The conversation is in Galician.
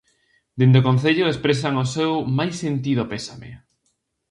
Dende o concello expresan o seu "máis sentido pésame".